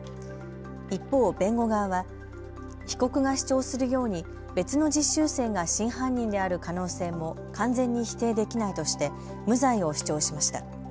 一方、弁護側は被告が主張するように別の実習生が真犯人である可能性も完全に否定できないとして無罪を主張しました。